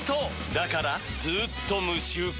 だからずーっと無臭化！